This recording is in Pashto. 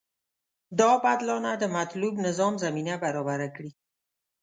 دا بدلانه د مطلوب نظام زمینه برابره کړي.